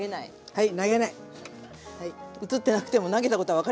はい。